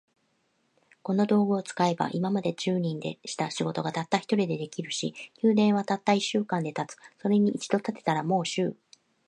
この道具を使えば、今まで十人でした仕事が、たった一人で出来上るし、宮殿はたった一週間で建つ。それに一度建てたら、もう修繕することが要らない。